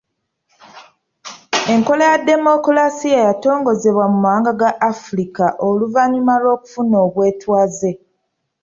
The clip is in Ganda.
Enkola ya demokolasiya yatongozebwa mu mawanga ga Afirika oluvannyuma lw’okufuna obwetwaze.